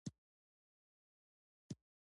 مه يې ايسته کوه